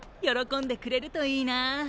よろこんでくれるといいなあ。